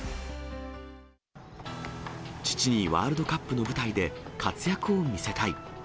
父にワールドカップの舞台で活躍を見せたい。